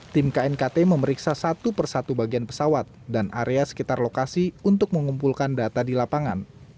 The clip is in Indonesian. tim knkt memeriksa satu persatu bagian pesawat dan area sekitar lokasi untuk mengumpulkan data di lapangan